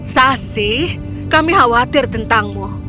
sesi kami khawatir tentangmu